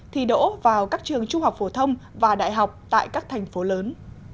thi đỗ vào các trường trung học phổ thông và đại học tại các thành phố lớn